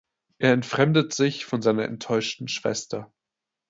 Er entfremdet sich von seiner enttäuschten Schwester.